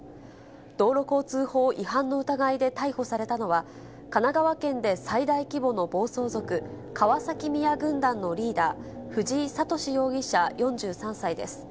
道路交通法違反の疑いで逮捕されたのは、神奈川県で最大規模の暴走族、川崎宮軍団のリーダー、藤井敏容疑者４３歳です。